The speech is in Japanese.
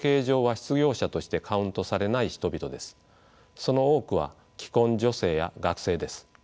その多くは既婚女性や学生です。